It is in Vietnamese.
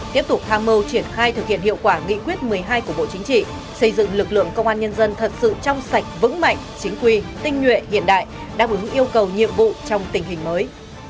tiếp tục tham mưu triển khai thực hiện hiệu quả nghị quyết một mươi hai của bộ chính trị xây dựng lực lượng công an nhân dân thật sự trong sạch vững mạnh chính quy tinh nhuệ hiện đại đáp ứng yêu cầu nhiệm vụ trong tình hình mới